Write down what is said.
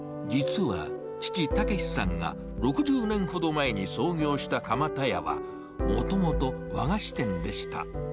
実は、父、武さんが６０年ほど前に創業した蒲田屋は、もともと和菓子店でした。